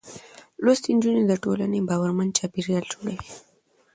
لوستې نجونې د ټولنې باورمن چاپېريال جوړوي.